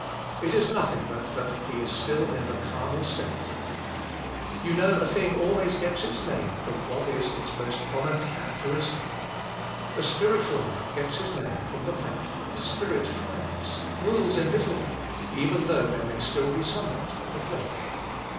It is nothing but that he is still in the carnal state. You know a thing always gets its name from what is its most prominent characteristic. A spiritual man g ets his name from the fact that the Spirit triumphs, rules in his life, even thoug h there may still be somewhat of the flesh.